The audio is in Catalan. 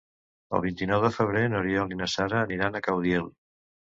El vint-i-nou de febrer n'Oriol i na Sara aniran a Caudiel.